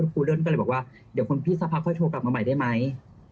ครูเดิ้ลก็เลยบอกว่าเดี๋ยวคุณพี่สักพักค่อยโทรกลับมาใหม่ได้ไหม